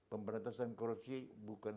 pemberantasan korupsi bukan